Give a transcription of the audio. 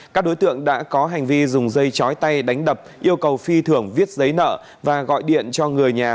các đối tượng đã có hành vi dùng dây chói tay đánh đập yêu cầu phi thưởng viết giấy nợ và gọi điện cho người nhà